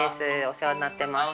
お世話になります。